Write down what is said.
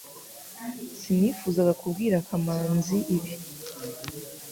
Sinifuzaga kubwira kamanzi ibi